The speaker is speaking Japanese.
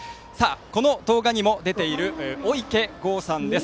この動画にも出ているおいけごうさんです。